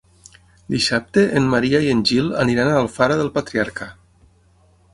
Dissabte en Maria i en Gil aniran a Alfara del Patriarca.